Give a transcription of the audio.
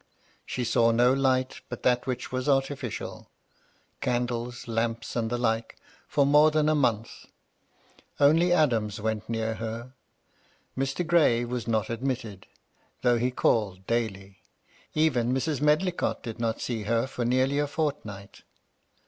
She saw no light but that which was artificial — candles, lamps, and the like, for more than a month. Only Adams went near her. Mr. Gray was not admitted, though he called daily. Even Mrs. Medlicott did not see her for near a fortnight.